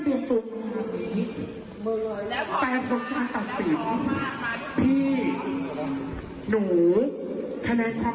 พี่หนูคะแนนความสวยเต็มสิทธิ์หนูได้หกเหรอ